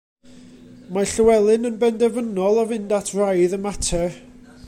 Mae Llywelyn yn benderfynol o fynd at wraidd y mater.